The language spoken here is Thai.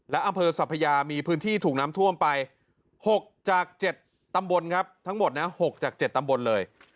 และอำเภอสัพยามีพื้นที่ถูกน้ำท่วมไป๖จาก๗ตำบลครับทั้งหมดนะ๖จาก๗ตำบลเลย